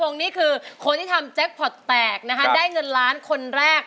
งงนี่คือคนที่ทำแจ็คพอร์ตแตกนะคะได้เงินล้านคนแรก